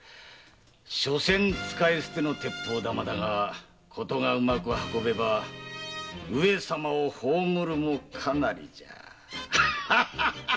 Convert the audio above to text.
しょせん使い捨ての鉄砲玉だが事がウマク運べば上様を葬るも可なりじゃ。